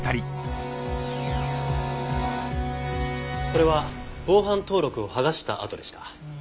これは防犯登録を剥がした痕でした。